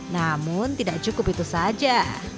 namun tidak cukup itu saja